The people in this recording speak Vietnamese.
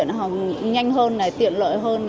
nó nhanh hơn tiện lợi hơn